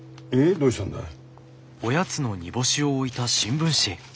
どうしたんだい？